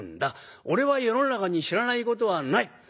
俺は世の中に知らないことはない。